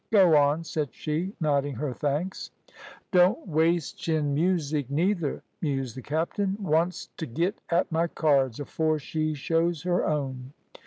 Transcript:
"Go on," said she, nodding her thanks. "Don't waste chin music, neither," mused the captain. "Want's t' git at my cards afore she shows her own."